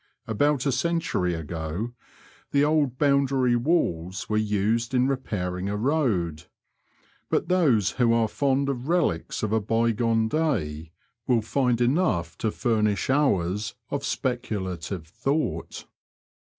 About a century ago the old boundary walls were used in repairing a road, but those who are fond of relics of a bygone day will find enough to furnish hours of specu lative thought.